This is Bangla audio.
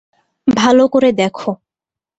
ভালো করে দেখো।